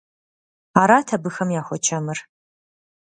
Арат абыхэм яхуэчэмыр.